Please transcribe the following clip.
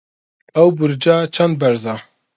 ئەو بورجە چەند بەرزە؟